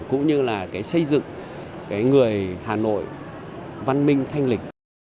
cũng như là cái xây dựng cái người hà nội văn minh thanh lịch